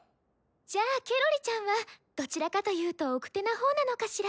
じゃあケロリちゃんはどちらかというとおくてな方なのかしら？